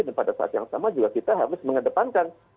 dan pada saat yang sama juga kita harus mengedepankan